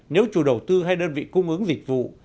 nếu chủ đầu tư hay đơn vị cung ứng dịch vụ